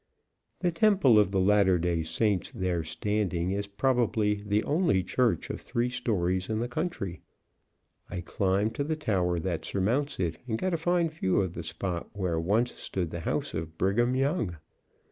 The Temple of the Latter Day Saints there standing, is probably the only church of three stories in the country. I climbed to the tower that surmounts it, and got a fine view of the spot where once stood the house of Brigham Young.